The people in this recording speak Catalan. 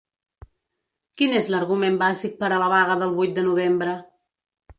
Quin és l’argument bàsic per a la vaga del vuit de novembre?